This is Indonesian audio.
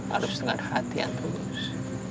harus dengan hati yang terus